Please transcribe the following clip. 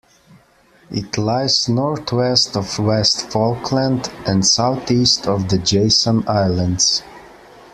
It lies north-west of West Falkland and south-east of the Jason Islands.